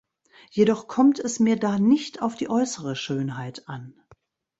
Jedoch kommt es mir da nicht auf die äußere Schönheit an.